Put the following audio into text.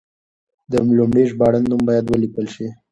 د لومړي ژباړن نوم باید ولیکل شي.